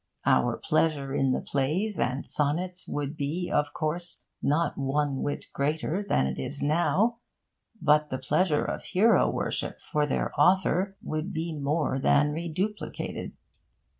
Our pleasure in the plays and sonnets would be, of course, not one whit greater than it is now. But the pleasure of hero worship for their author would be more than reduplicated.